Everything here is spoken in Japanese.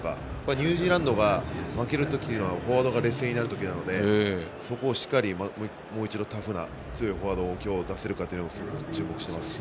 ニュージーランドが負ける時はフォワードが劣勢になる時なのでそこをもう一度タフな強いフォワードを出せるかすごく注目しています。